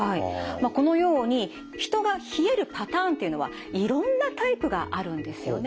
まあこのように人が冷えるパターンっていうのはいろんなタイプがあるんですよね。